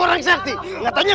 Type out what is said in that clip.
saya bisa jadi terancam